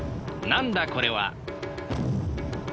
なんだこれは！